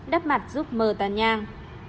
đắp mặt giúp mờ tàn nhang